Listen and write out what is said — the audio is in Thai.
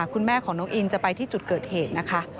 คุณแม่ของน้องอินจะไปที่จุดเกิดเหตุนะคะ